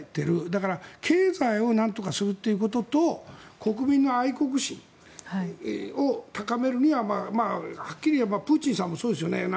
だから経済をなんとかするということと国民の愛国心を高めるにははっきり言えばプーチンさんもそうですよね。